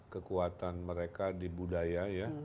kekuatan mereka di budaya ya